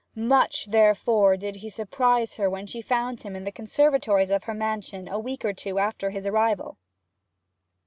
Much therefore did he surprise her when she found him in the conservatories of her mansion a week or two after his arrival.